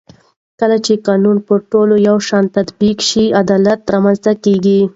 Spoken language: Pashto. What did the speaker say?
کله چې قانون پر ټولو یو شان تطبیق شي عدالت رامنځته کېږي